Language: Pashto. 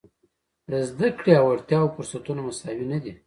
د زده کړې او وړتیاوو فرصتونه مساوي نه دي.